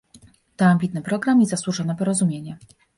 To ambitny program i zasłużone porozumienie